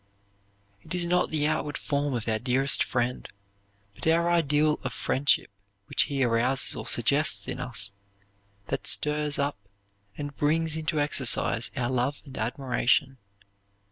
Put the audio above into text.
It is not the outward form of our dearest friend, but our ideal of friendship which he arouses or suggests in us that stirs up and brings into exercise our love and admiration.